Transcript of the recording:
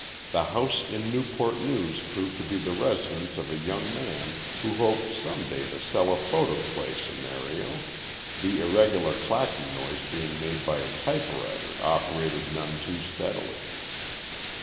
The house in Newport News proved to be the residence of a young man who hoped some day to sell a photoplay scenario, the irregular clacking noise being made by a typewriter operated none too steadily.